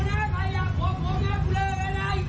เนี่ยกูหมาเนี่ยเหอะนี่เนี่ย